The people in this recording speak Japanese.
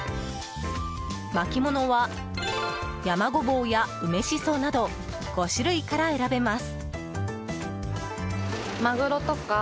巻き物はヤマゴボウや梅シソなど５種類から選べます。